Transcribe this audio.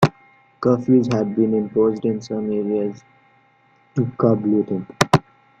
Curfews had been imposed in some areas to curb looting.